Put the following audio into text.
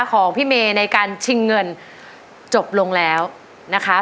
ของพี่เมย์ในการชิงเงินจบลงแล้วนะคะ